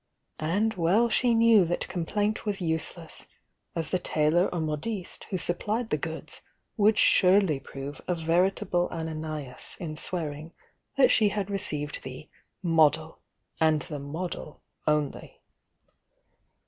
Anc' well she knew that complaint was useless, as th tailor or modiste who supplied the goods would surely prove a veritable Ananias in swearing that she had received the "model," and the model only.